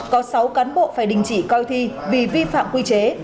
có sáu cán bộ phải đình chỉ coi thi vì vi phạm quy chế